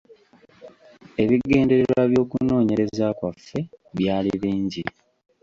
Ebigendererwa by’okunoonyereza kwaffe byali bingi.